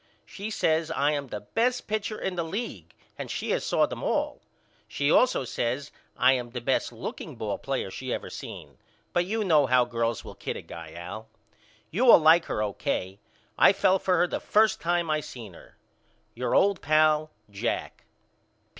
She says I am the best pitcher in the league and she has saw them all. She all so says I am the best looking ball player she ever seen but you know how girls will kid a guy Al. You will like her O.K. I fell for her the first time I seen her. Your old pal, JACK.